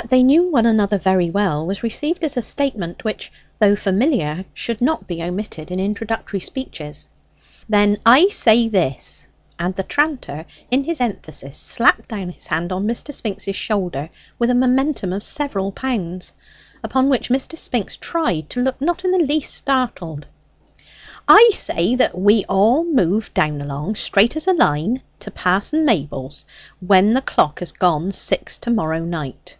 That they knew one another very well was received as a statement which, though familiar, should not be omitted in introductory speeches. "Then I say this" and the tranter in his emphasis slapped down his hand on Mr. Spinks's shoulder with a momentum of several pounds, upon which Mr. Spinks tried to look not in the least startled "I say that we all move down along straight as a line to Pa'son Mayble's when the clock has gone six to morrow night.